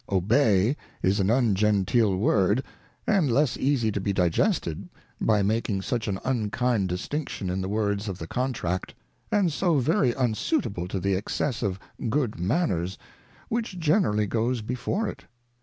Obey is an ungenteel word, and less easie to be digested, by making such an unkind distinction in the Words of the Contract, and so very unsuitable to the excess of Good Manners, which generally goes before it.